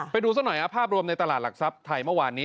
ไปดูซะหน่อยภาพรวมในตลาดหลักทรัพย์ไทยเมื่อวานนี้